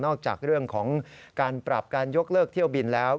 จากเรื่องของการปรับการยกเลิกเที่ยวบินแล้ว